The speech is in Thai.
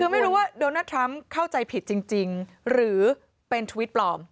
คือไม่รู้ว่าโดนัลดทรัมป์เข้าใจผิดจริงหรือเป็นทวิตปลอม